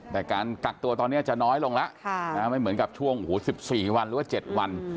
แต่การตัวตรงนี้อาจจะน้อยน่ะไม่เหมือนกับช่วง๑๔วันหรือว่า๗วัน